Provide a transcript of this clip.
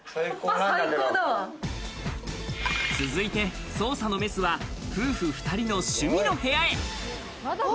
続いて捜査のメスは夫婦２人の趣味の部屋へ。